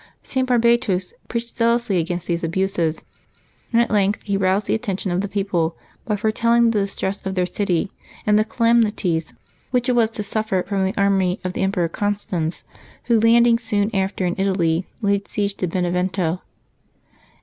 St. Barbatus preached zealously against these abuses, and at length he roused the attention of the people by foretelling the distress of their city, and the calamities 80 LIVES OF TEE SAINTS [Febbuaby 20 which it was to suffer from the army of the Emperor Constans, who, landing soon after in Italy, laid siege to Benevento.